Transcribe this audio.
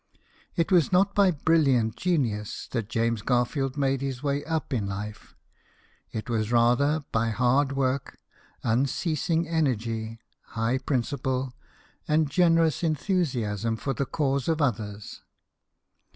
It was not by brilliant genius that James Garfield made his way up in life ; it was rather by hard work, unceasing energy, high principle, and generous enthusiasm for the cause of others.